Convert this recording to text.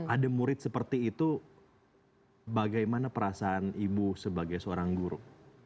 ada murid seperti itu bagaimana perasaan ibu sebagai seorang guru